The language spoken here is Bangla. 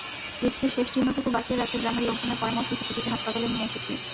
স্ত্রীর শেষ চিহ্নটুকু বাঁচিয়ে রাখতে গ্রামের লোকজনের পরামর্শে শিশুটিকে হাসপাতালে নিয়ে এসেছি।